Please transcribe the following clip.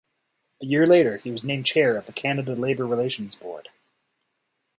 A year later, he was named chair of the Canada Labor Relations Board.